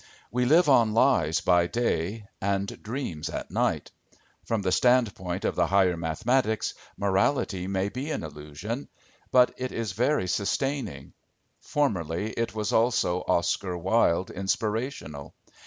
We live on lies by day and dreams at night. From the standpoint of the higher mathematics, morality may be an illusion. But it is very sustaining. Formerly it was also Oscar Wilde inspirational.